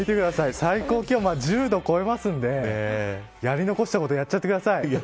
最高気温は１０度を超えますんでやり残したことやっちゃってください。